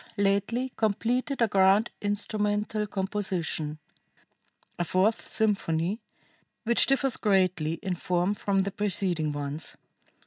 lately completed a grand instrumental composition, a fourth symphony, which differs greatly in form from the preceding ones.